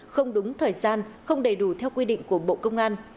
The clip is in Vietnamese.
không đúng thời gian không đầy đủ theo quy định của bộ công an